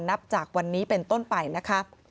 นับจากวันนี้เป็นต้นไปนะคะ